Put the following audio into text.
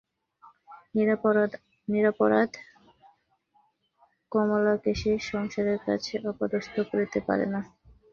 নিরপরাধা কমলাকে সে সংসারের কাছে অপদস্থ করিতে পারে না।